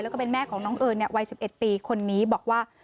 แล้วก็เป็นแม่ของน้องเอิญวัย๑๑ปีคนนี้บอกว่า